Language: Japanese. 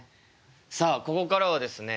さあここからはですね